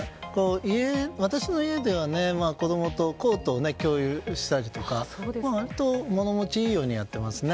私の家では子供とコートを共有したりとか物持ちがいいようにやっています。